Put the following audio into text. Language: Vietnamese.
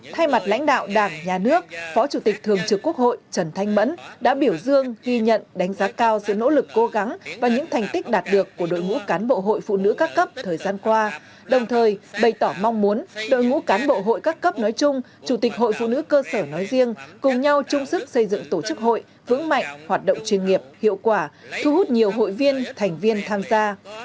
thay mặt lãnh đạo đảng nhà nước phó chủ tịch thường trực quốc hội trần thanh mẫn đã biểu dương ghi nhận đánh giá cao sự nỗ lực cố gắng và những thành tích đạt được của đội ngũ cán bộ hội phụ nữ các cấp thời gian qua đồng thời bày tỏ mong muốn đội ngũ cán bộ hội các cấp nói chung chủ tịch hội phụ nữ cơ sở nói riêng cùng nhau chung sức xây dựng tổ chức hội vững mạnh hoạt động chuyên nghiệp hiệu quả thu hút nhiều hội viên thành viên tham gia